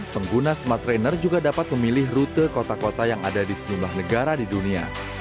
pengguna smart trainer juga dapat memilih rute kota kota yang ada di sejumlah negara di dunia